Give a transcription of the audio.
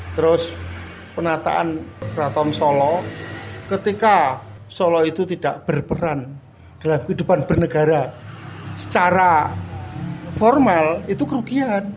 terus penataan keraton solo ketika solo itu tidak berperan dalam kehidupan bernegara secara formal itu kerugian